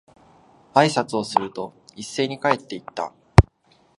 挨拶をすると、一斉に帰って行った。